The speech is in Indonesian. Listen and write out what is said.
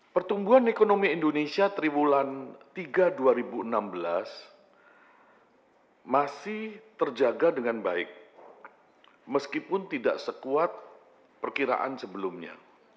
pertumbuhan ekonomi indonesia tribulan tiga dua ribu enam belas masih terjaga dengan baik meskipun tidak sekuat perkiraan sebelumnya